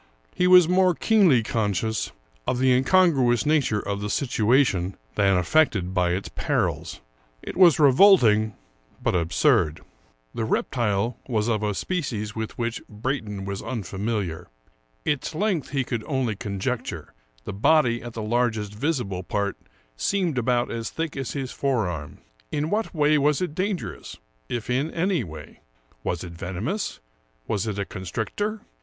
He was more keenly conscious of the incongruous nature of the situation than affected by its perils ; it was revolting, but absurd. The reptile was of a species with which Brayton was un familiar. Its length he could only conjecture ; the body at the largest visible part seemed about as thick as his fore arm. In what way was it dangerous, if in any way? Was it venomous? Was it a constrictor?